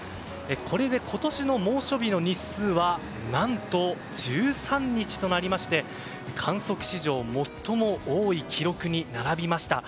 これで今年の猛暑日の日数は何と１３日となりまして観測史上最も多い記録に並びました。